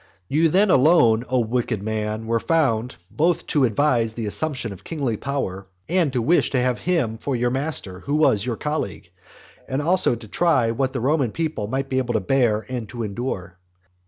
You then alone, O wicked man, were found, both to advise the assumption of kingly power, and to wish to have him for your master who was your colleague; and also to try what the Roman people might be able to bear and to endure.